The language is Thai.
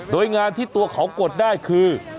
โดยงานที่ตัวเขากดได้คือ